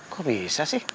kok bisa sih